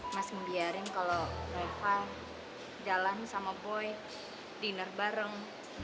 mas membiarkan kalau reva di dalam sama boy diner bareng